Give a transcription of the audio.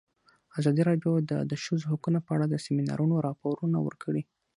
ازادي راډیو د د ښځو حقونه په اړه د سیمینارونو راپورونه ورکړي.